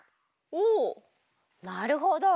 おなるほど！